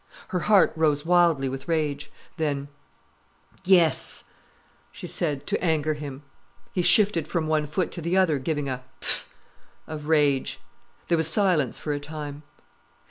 Her heart rose wildly with rage. Then "Yes", she said, to anger him. He shifted from one foot to the other, giving a "Ph!" of rage. There was silence for a time.